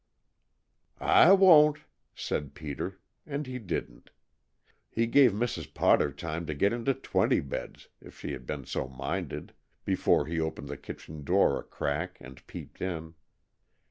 "I won't," said Peter, and he didn't. He gave Mrs. Potter time to get into twenty beds, if she had been so minded, before he opened the kitchen door a crack and peeped in.